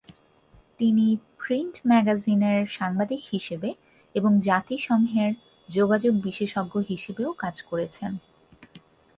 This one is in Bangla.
তিনি প্রিন্ট ম্যাগাজিনের সাংবাদিক হিসেবে এবং জাতিসংঘের যোগাযোগ বিশেষজ্ঞ হিসেবেও কাজ করেছেন।